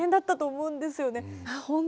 うん。